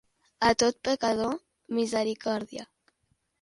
A tot pecador, misericòrdia.